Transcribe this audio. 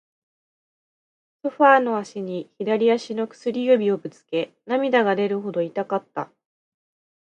ソファーの脚に、左足の薬指をぶつけ、涙が出るほど痛かった。